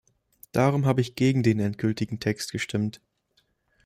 Darum habe ich gegen den endgültigen Text gestimmt.